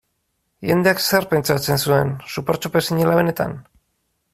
Jendeak zer pentsatzen zuen, Supertxope zinela benetan?